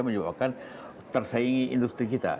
menyebabkan tersaingi industri kita